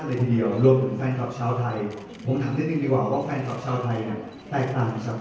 ก่อนเนี่ยต้องขอแสดงความยินดีด้วยนะครับเพราะว่านักศึกได้รางวัลแฟร์ซัม